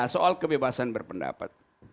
soal kebebasan berpendapat